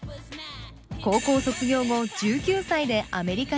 高校卒業後１９歳でアメリカにダンス留学。